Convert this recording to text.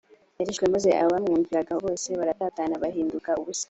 yarishwe maze abamwumviraga bose baratatana bahinduka ubusa